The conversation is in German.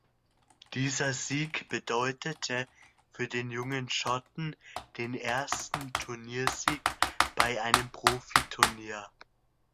Dieser Sieg bedeutete für den jungen Schotten den ersten Turniersieg bei einem Profiturnier.